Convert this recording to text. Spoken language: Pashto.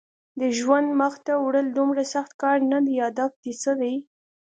د ژوند مخته وړل دومره سخت کار نه دی، هدف دې څه دی؟